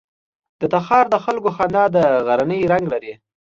د تخار د خلکو خندا د غرنی رنګ لري.